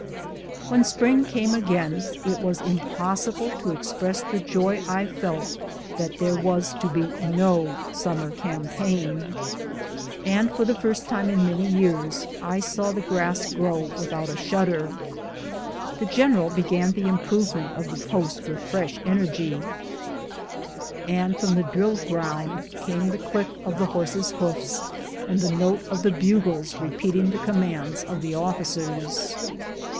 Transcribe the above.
When spring came again, it is impossible to express the joy I felt that there was to be no summer campaign ; 234 BOOTS AND SADDLES. and for the first time in many years I saw the grass grow without a shudder. The general began the im provement of the post with fresh energy, and from the drill ground came the click of the horses' hoofs and the note of the bugles repeating the commands of the officers.